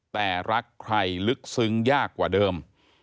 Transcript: แต่รักใครลึกซึ้งยากกว่าเดิม